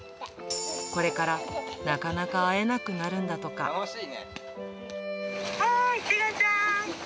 これから、なかなか会えなくなるおーい、チゴちゃん。